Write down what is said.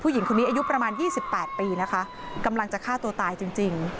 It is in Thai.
หญิงคนนี้อายุประมาณ๒๘ปีนะคะกำลังจะฆ่าตัวตายจริง